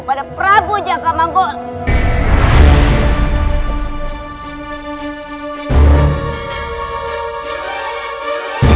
pada prabu jakamanggola